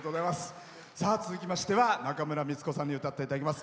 続きましては中村美律子さんに歌っていただきます。